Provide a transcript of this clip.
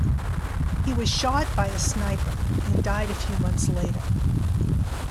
He was shot by a sniper and died a few months later.